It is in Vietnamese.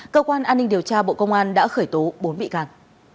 cơ quan an ninh điều tra bộ công an đã khởi tố bốn bị can